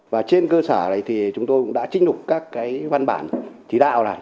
và trên cơ sở này thì chúng tôi cũng đã trinh đục các cái văn bản chỉ đạo này